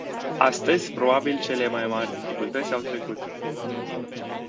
Astăzi, probabil cele mai mari dificultăți au trecut.